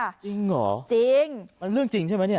จริงเหรอจริงมันเรื่องจริงใช่ไหมเนี่ย